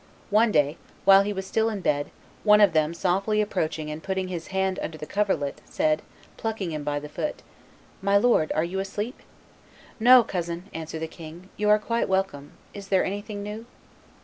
One day, when he was still in bed, one of them softly approaching and putting his hand under the coverlet, said, plucking him by the foot, "My lord, are you asleep?" "No, cousin," answered the king; "you are quite welcome; is there anything new?"